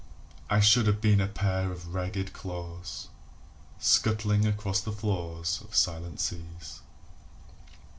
... I should have been a pair of ragged claws Scuttling across the floors of silent seas.